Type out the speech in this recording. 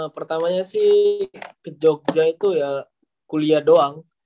pertamanya sih ke jogja itu ya kuliah doang